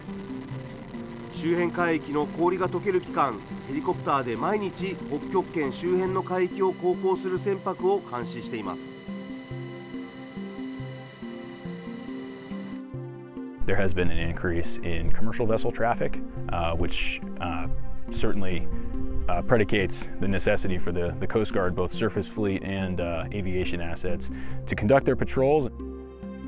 周辺海域の氷がとける期間、ヘリコプターで毎日、北極圏周辺の海域を航行する船舶を監視しています。